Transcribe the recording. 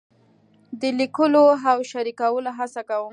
د لیکلو او شریکولو هڅه کوم.